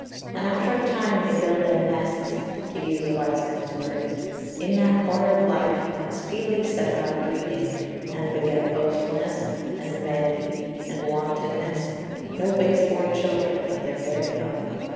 And after a time they build their nests (to use a wise man's words) in that corner of life, and speedily set about breeding, and beget Boastfulness, and Vanity, and Wantonness, no base born children, but their very own.